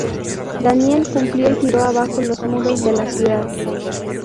Daniel cumplió y tiró abajo los muros de la ciudad.